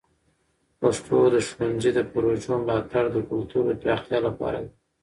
پښتو د ښونځي د پروژو ملاتړ د کلتور د پراختیا لپاره ده.